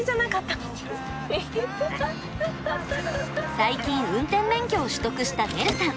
最近運転免許を取得したねるさん。